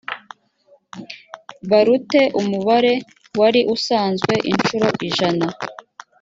barute umubare wari usanzwe incuro ijana